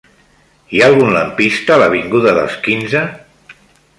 Hi ha algun lampista a l'avinguda dels Quinze?